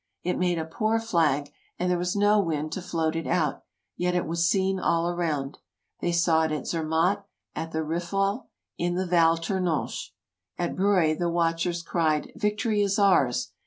It made a poor flag, and there was no wind to float it out, yet it was seen all around. They saw it at Zermatt, at the Riffel, in the Val Tournanche. At Breuil the watchers cried "Vic tory is ours